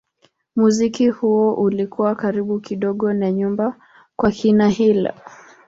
Muziki huo ulikuwa karibu kidogo na nyumbani kwa kina Hill.